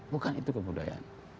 bukan itu kebudayaan